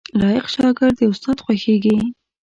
لايق شاګرد د استاد خوښیږي